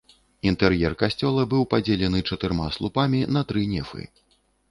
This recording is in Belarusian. Інтэр'ер касцёла быў падзелены чатырма слупамі на тры нефы.